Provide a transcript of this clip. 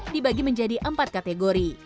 dibagi menjadi empat kategori